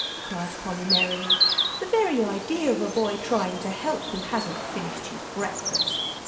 cried Polly, merrily, "the very idea of a boy trying to help who hasn't finished his breakfast.